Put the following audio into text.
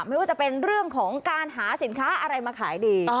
ไม่ว่าจะเป็นเรื่องของการหาสินค้าอะไรมาขายดี